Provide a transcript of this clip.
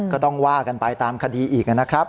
ก็ต้องว่ากันไปตามคดีอีกนะครับ